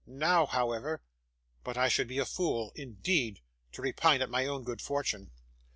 Now, however but I should be a fool, indeed, to repine at my own good fortune!